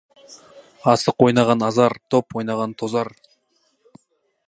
Асық ойнаған азар, доп ойнаған тозар.